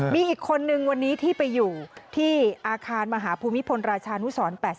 มีอีกคนนึงวันนี้ที่ไปอยู่ที่อาคารมหาภูมิพลราชานุสร๘๐